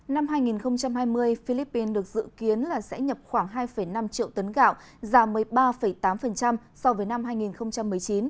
năm hai nghìn hai mươi philippines được dự kiến là sẽ nhập khoảng hai năm triệu tấn gạo giảm một mươi ba tám so với năm hai nghìn một mươi chín